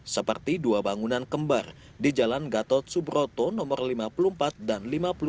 seperti dua bangunan kembar di jalan gatot subroto no lima puluh empat dan lima puluh dua